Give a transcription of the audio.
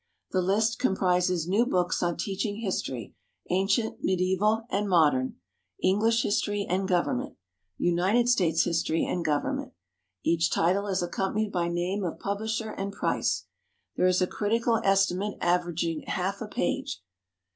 The list comprises new books on teaching history, ancient, medieval and modern, English history and government, United States history and government. Each title is accompanied by name of publisher and price. There is a critical estimate averaging half a page.